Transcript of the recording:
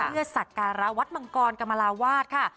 เพื่อสักการะวัดมังกรกรรมราวาสค่ะ